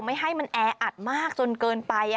ไม่ให้มันแออัดมากจนเกินไป